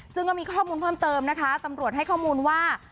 ซึ่งก็มีข้อมูลเพิ่มเติมนะคะตำรวจให้ข้อมูลว่า